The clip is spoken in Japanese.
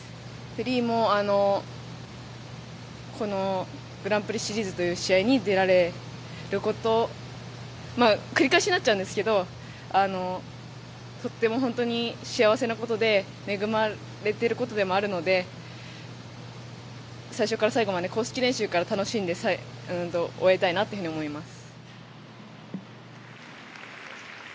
フリーもグランプリシリーズという試合に出られることを繰り返しになっちゃうんですがとても幸せなことで恵まれてることでもあるので最初から最後まで公式練習から楽しんで終えたいなと思います。